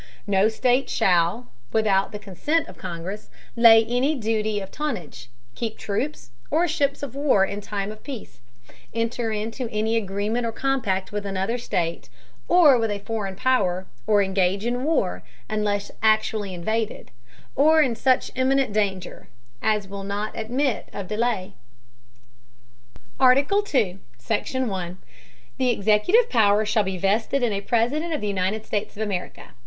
No State shall, without the Consent of Congress, lay any Duty of Tonnage, keep Troops, or Ships of War in time of Peace, enter into any Agreement or Compact with another State, or with a foreign Power, or engage in War, unless actually invaded, or in such imminent Danger as will not admit of delay. ARTICLE. II. SECTION, 1. The executive Power shall be vested in a President of the United States of America.